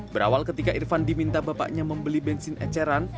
berawal ketika irfan diminta bapaknya membeli bensin eceran